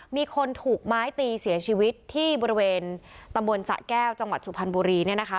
มีคนถูกไม้ตีเสียชีวิตที่บริเวณตำบลสะแก้วจังหวัดสุพรรณบุรีเนี่ยนะคะ